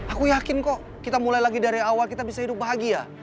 aku yakin kok kita mulai lagi dari awal kita bisa hidup bahagia